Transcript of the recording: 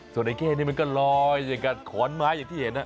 ส่วนไอ้เข้นี่มันก็ลอยกับขอนไม้อย่างที่เห็น